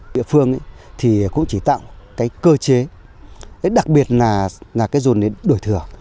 địa phương thì cũng chỉ tạo cái cơ chế đặc biệt là cái dồn điền đồi thừa